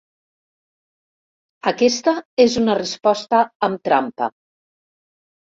Aquesta és una resposta amb trampa.